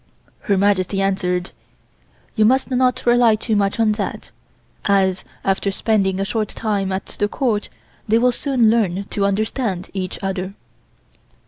Her Majesty answered: "You must not rely too much on that, as after spending a short time at the Court they will soon learn to understand each other."